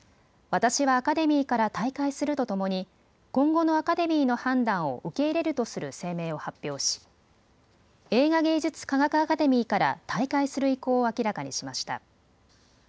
私はアカデミーから退会するとともに今後のアカデミーの判断を受け入れるとする声明を発表し映画芸術科学アカデミーから退会する意向を明らかにしました。